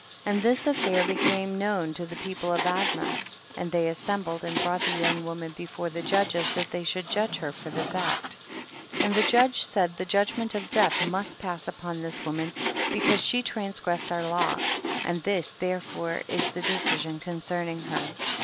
And this affair became known to the people of Admah, and they as sembled and brought the young wo man before the judges, that they should judge her for this act. 41. And the judge said the judg ment of death 7nust pass upon this woman because she transgressed our law, and this therefore is the deci sion concerning her. 42.